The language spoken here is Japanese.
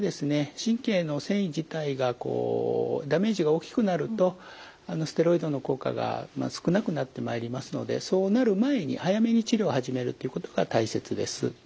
神経の線維自体がこうダメージが大きくなるとステロイドの効果が少なくなってまいりますのでそうなる前に早めに治療を始めるということが大切です。